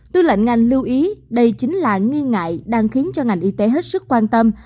tư lệnh ngành lưu ý đây chính là nghi ngại đang khiến cho ngành y tế hết sức quan tâm